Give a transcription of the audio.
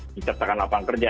dicatakan lapangan kerja